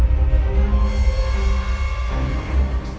ini pasti gue kena